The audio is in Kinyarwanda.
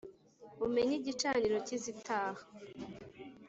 umenye igicaniro cy’izitaha